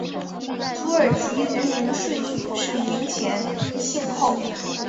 土耳其人名的顺序是名前姓后。